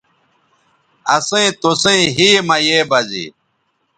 اسئیں توسئیں ھے مہ یے بزے